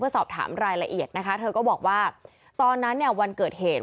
สอบถามรายละเอียดนะคะเธอก็บอกว่าตอนนั้นเนี่ยวันเกิดเหตุ